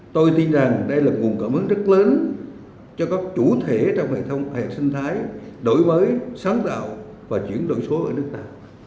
tôi tin rằng đây là nguồn cảm ứng rất lớn cho các chủ thể trong hệ thống hệ sinh thái đổi mới sáng tạo và chuyển đổi số ở nước ta